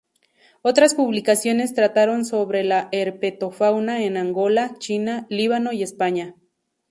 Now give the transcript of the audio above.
Otras publicaciones trataron sobre la herpetofauna en Angola, China, Líbano y España.